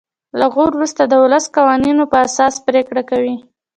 له غور وروسته د ولسي قوانینو په اساس پرېکړه کوي.